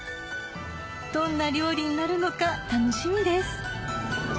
どんな料理になるのか楽しみです